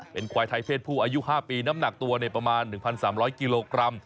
เป็นควายไทยเพศผู้อายุ๕ปีน้ำหนักตัวประมาณ๑๓๐๐กิโลกรัม